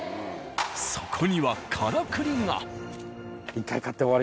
そこにはからくりが。